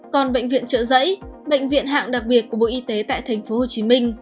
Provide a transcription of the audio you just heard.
còn bệnh viện chợ giẫy bệnh viện hạng đặc biệt của bộ y tế tại tp hcm